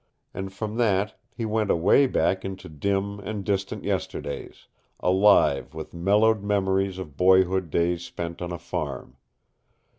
And from that he went away back into dim and distant yesterdays, alive with mellowed memories of boyhood days spent on a farm.